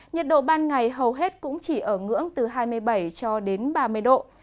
nhiệt độ ban ngày hầu hết cũng chỉ ở ngưỡng từ hai mươi bảy cho đến ba mươi độ